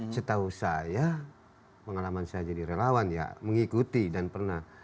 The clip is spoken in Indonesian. setahu saya pengalaman saya jadi relawan ya mengikuti dan pernah